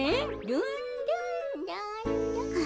ルンルンルンルン。